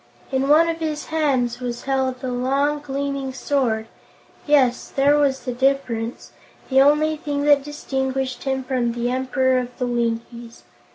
In one of his hands was held a long, gleaming sword. Yes, there was the difference, the only thing that distinguished him from the Emperor of the Winkies.